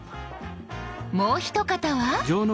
もう一方は。